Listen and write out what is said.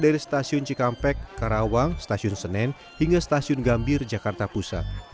dari stasiun cikampek karawang stasiun senen hingga stasiun gambir jakarta pusat